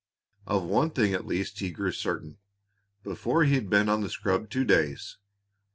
Of one thing at least he grew certain before he had been on the scrub two days.